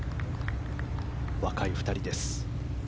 若い２人です。